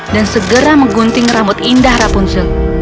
dan segera menggunting rambut indah rapunzel